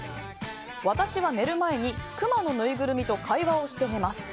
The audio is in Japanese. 私は寝る前にクマのぬいぐるみと会話をして寝ます。